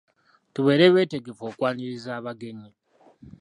Tubeera betegefu okwaniriza abagenyi.